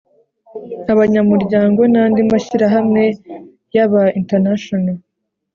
abanyamuryango n andi mashyirahamwe yaba international